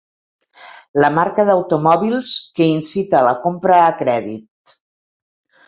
La marca d'automòbils que incita a la compra a crèdit.